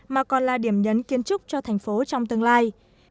mà còn là điểm nhấn kiến trúc cho thành phố trong tương lai